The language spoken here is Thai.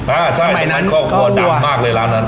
อ่าใช่มันคอกวัวดำมากเลยร้านนั้น